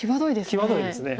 際どいです。